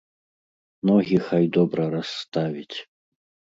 Ногі хай добра расставіць.